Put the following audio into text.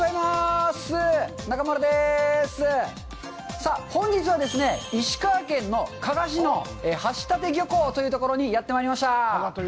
さあ、本日はですね、石川県の加賀市の橋立漁港というところにやってまいりました。